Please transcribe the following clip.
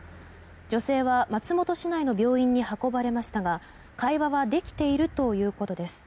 女性は松本市内の病院に運ばれましたが会話はできているということです。